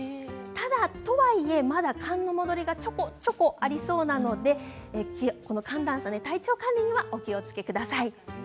とはいえ、まだ寒の戻りがちょこちょこありそうなので寒暖差で体調管理にはお気をつけください。